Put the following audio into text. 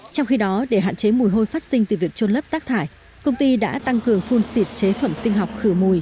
trong khi đó để hạn chế mùi hôi phát sinh từ việc trôn lấp rác thải công ty đã tăng cường phun xịt chế phẩm sinh học khử mùi